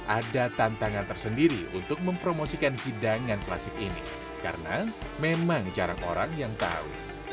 ada tantangan tersendiri untuk mempromosikan hidangan klasik ini karena memang jarang orang yang tahu